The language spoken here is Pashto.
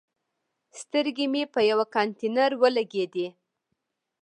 سترګې مې په یوه کانتینر ولګېدې.